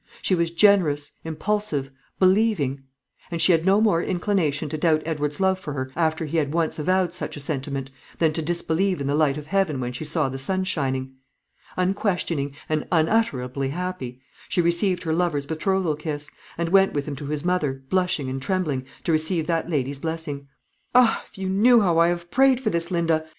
She was generous, impulsive, believing; and she had no more inclination to doubt Edward's love for her, after he had once avowed such a sentiment, than to disbelieve in the light of heaven when she saw the sun shining. Unquestioning, and unutterably happy, she received her lover's betrothal kiss, and went with him to his mother, blushing and trembling, to receive that lady's blessing. "Ah, if you knew how I have prayed for this, Linda!"